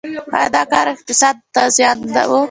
آیا دا کار اقتصاد ته زیان و؟